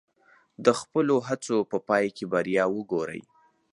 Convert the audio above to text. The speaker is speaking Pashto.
د خپلو هڅو په پای کې بریا وګورئ.